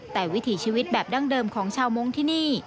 แต่วิถีชีวิตแบบดั้งเดิมของชาวมงค์ที่นี่